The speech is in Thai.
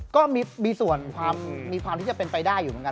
ก็มีส่วนมีความที่จะเป็นไปได้อยู่เหมือนกัน